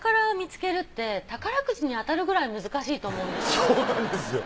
そうなんですよ。